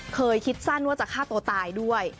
เคยคิดสั้นว่าจะฆ่าตัวตายด้วย